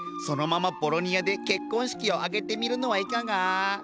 そのままボロニアで結婚式を挙げてみるのはいかが？